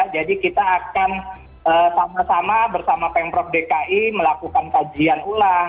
jadi kita akan sama sama bersama pemprov dki melakukan kajian ulang